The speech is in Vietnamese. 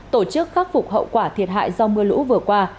tổ chức khắc phục hậu quả thiệt hại do mưa lũ vừa qua